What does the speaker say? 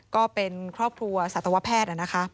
ก็เป็นครอบครัวสัตวแพทย์นะคะ